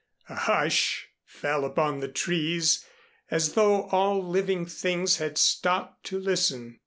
A hush fell upon the trees as though all living things had stopped to listen.